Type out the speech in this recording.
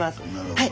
はい。